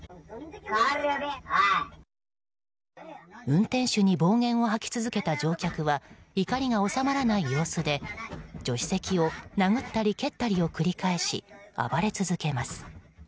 運転手に暴言を吐き続けた乗客は怒りが収まらない様子で助手席を殴ったり蹴ったりを繰り返し、暴れ続けます。